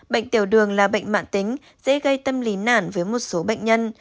bệnh tiểu đường là bệnh mạng tính dễ gây tâm lý nản với một số bệnh nhân